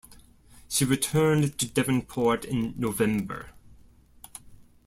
She returned to Devonport in November.